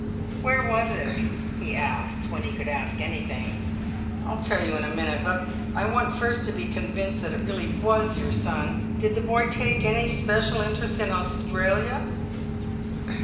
"Where was it?" he asked, when he could ask anything. "I'll tell you in a minute. I want first to be convinced that it really was your son. Did the boy take any special interest in Australia?"